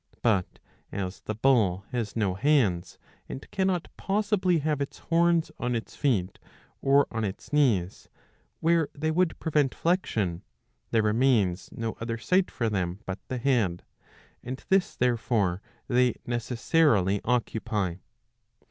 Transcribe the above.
But as the bull has no hands and cannot possibly have its horns on its feet or on its knees, where they would prevent flexion, there remains no other site for them but the head ; and this therefore they necessarily occupy.